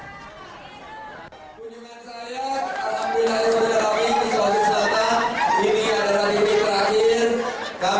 selamat datang di vibram sampai hari ini di makassar